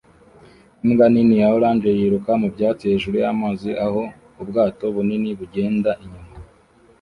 Imbwa nini ya orange yiruka mu byatsi hejuru y'amazi aho ubwato bunini bugenda inyuma